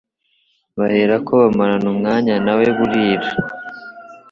baherako bamarana umwanya na we burira."